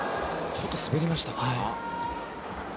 ちょっと滑りましたか。